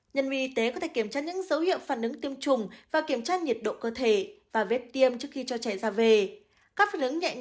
nhân viên y tế có thể kiểm tra những dấu hiệu phản ứng tiêm chủng và kiểm tra nhiệt độ cơ thể và vết tiêm trước khi cho trẻ ra về